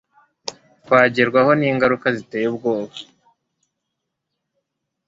twagerwaho n'ingaruka ziteye ubwoba